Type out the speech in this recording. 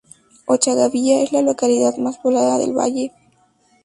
Ochagavía es la localidad más poblada del valle.